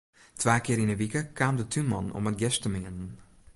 Twa kear yn 'e wike kaam de túnman om it gjers te meanen.